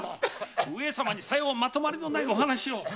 上様にさようまとまりのないお話を。